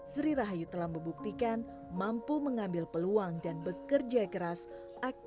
sri rahayu telah membuktikan mampu mengambil peluang dan bekerja dengan kemampuan yang terbaik